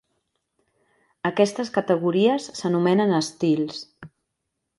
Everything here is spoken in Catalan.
Aquestes categories s'anomenen estils.